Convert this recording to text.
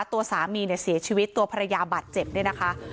ตัวสามีเนี่ยเสียชีวิตตัวภรรยาบาดเจ็บเนี่ยนะคะ